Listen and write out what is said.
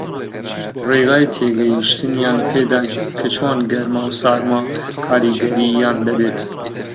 ڕێگای تێگەیشتنیان پێ داین کە چۆن گەرما و سارما کاریگەرییان دەبێت